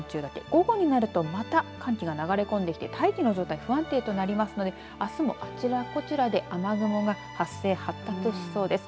午後になるとまた寒気が流れ込んできて大気の状態不安定となりますのであすも、あちらこちらで雨雲が発生しそうです。